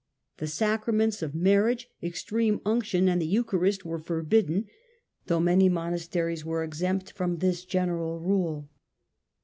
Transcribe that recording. The Sacra ments of Marriage, Extreme Unction, and the Eucharist were forbidden — though many monasteries were exempt from this general rule.